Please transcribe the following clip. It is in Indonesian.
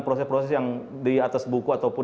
proses proses yang di atas buku ataupun